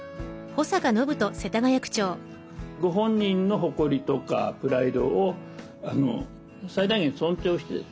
ご本人の誇りとかプライドを最大限尊重してですね